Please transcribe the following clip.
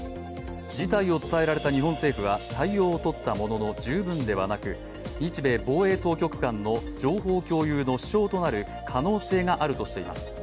自体を伝えられた日本政府は対応を取ったものの十分ではなく、日米防衛当局間の情報共有の支障となる可能性があるとしています。